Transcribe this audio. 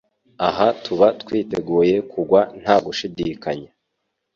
Aha tuba twiteguye kugwa nta gushidikanya.